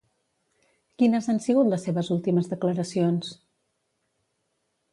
Quines han sigut les seves últimes declaracions?